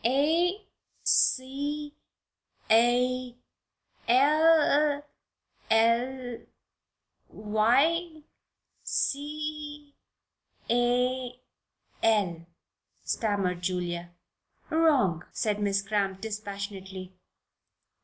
"'A c a l l y c a l,'" stammered Julia. "Wrong," said Miss Cramp, dispassionately.